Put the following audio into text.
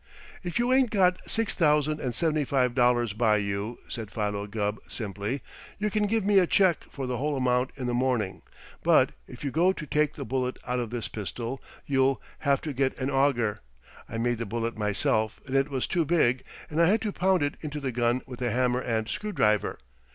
"If you ain't got six thousand and seventy five dollars by you," said Philo Gubb simply, "you can give me a check for the whole amount in the morning, but if you go to take the bullet out of this pistol you'll have to get an auger. I made the bullet myself and it was too big, and I had to pound it into the gun with a hammer and screw driver.